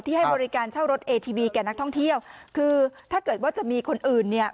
ให้บริการเช่ารถเอทีวีแก่นักท่องเที่ยวคือถ้าเกิดว่าจะมีคนอื่นเนี่ย